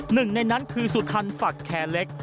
หนึ่งในนั้นคือสุทันฝักแคร์เล็ก